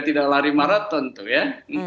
tidak lari maraton tuh ya